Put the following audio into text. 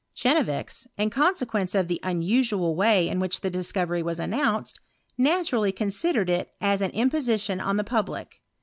Chenevix, in consequence of the unusual way in which the discovery was announced, naturally considered it as an imposition on the pub lic.